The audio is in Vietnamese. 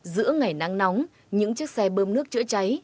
giữa ngày nắng nóng những chiếc xe bơm nước chữa cháy